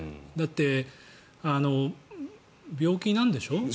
だって、病気なんでしょ。